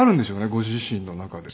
ご自身の中で。